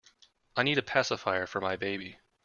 I need a pacifier for my baby.